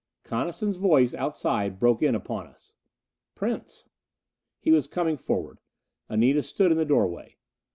Coniston's voice outside broke in upon us. "Prince." He was coming forward. Anita stood in the doorway.